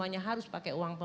terima kasih juga